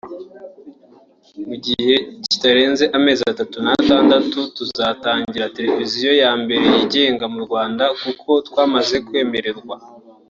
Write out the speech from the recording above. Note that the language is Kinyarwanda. Mu gihe kitarenzi amezi atatu n’atandatu tuzatangiza televiziyo ya mbere yigenga mu Rwanda kuko twamaze kwemererwa